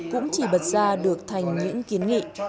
cũng chỉ bật ra được thành những kiến nghị